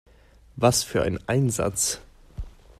Was für ein Einsatz!